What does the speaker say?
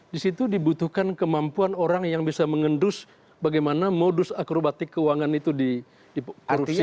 di situ dibutuhkan kemampuan orang yang bisa mengendus bagaimana modus akrobatik keuangan itu di manusia